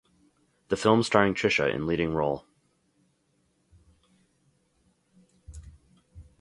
The film starring Trisha in leading role.